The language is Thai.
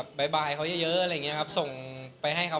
ขอบคุณมากสวัสดีครับ